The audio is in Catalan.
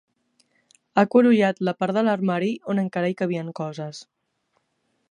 Ha curullat la part de l'armari on encara hi cabien coses.